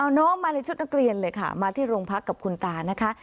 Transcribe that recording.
เอาน้องมาในชุดนักเรียนเลยค่ะมาที่โรงพักกับคุณตานะคะ